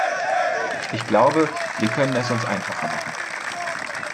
Ich glaube, wir können es uns einfacher machen.